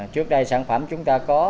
trước đây sản phẩm chúng ta có